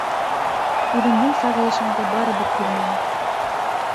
Үҙемдең сағылышымды барыбер күрмәнем.